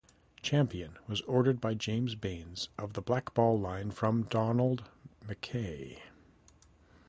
"Champion" was ordered by James Baines of the Black Ball Line from Donald McKay.